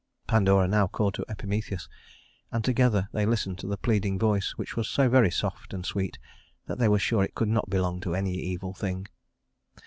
Pandora now called to Epimetheus, and together they listened to the pleading voice which was so very soft and sweet that they were sure it could not belong to any evil thing.